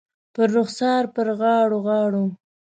پر رخسار، پر غاړو ، غاړو